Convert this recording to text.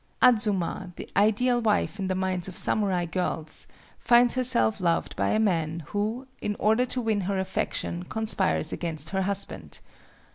Adzuma, the ideal wife in the minds of samurai girls, finds herself loved by a man who, in order to win her affection, conspires against her husband.